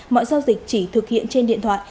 mọi giao dịch chỉ thực hiện trên điện thoại